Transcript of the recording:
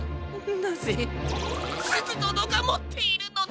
なぜすずどのがもっているのだ！？